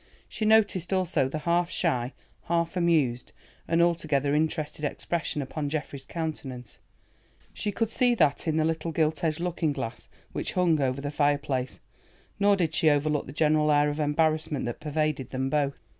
She noticed also the half shy, half amused, and altogether interested expression upon Geoffrey's countenance—she could see that in the little gilt edged looking glass which hung over the fire place, nor did she overlook the general air of embarrassment that pervaded them both.